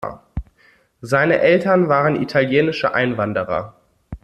Seine Eltern waren italienische Einwanderer.